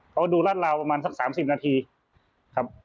เขาดูรัดราวประมาณสัก๓๐นาทีครับ